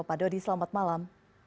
pak dodi selamat malam